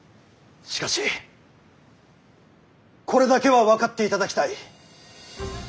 しかしこれだけは分かっていただきたい。